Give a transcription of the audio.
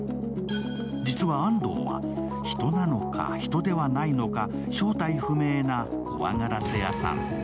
実は安藤は、人なのか人ではないかのか正体不明な怖ガラセ屋サン。